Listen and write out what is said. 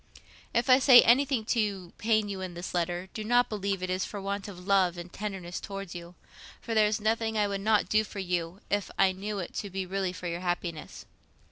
If I say anything to pain you in this letter, do not believe it is for want of love and tenderness towards you, for there is nothing I would not do for you, if I knew it to be really for your happiness.